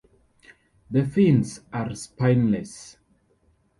The fins are spineless.